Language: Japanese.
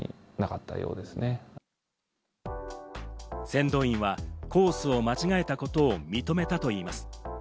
先導員はコースを間違えたことを認めたといいます。